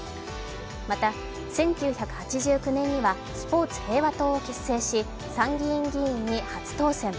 また１９８９年にはスポーツ平和党を結成し参議院議員に初当選。